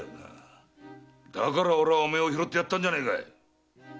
だから俺はお前を拾ってやったんじゃねえか。